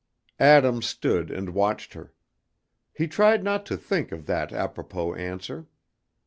Adam stood and watched her. He tried not to think of that apropos answer.